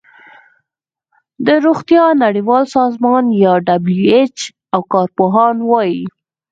د روغتیا نړیوال سازمان یا ډبلیو ایچ او کار پوهان وايي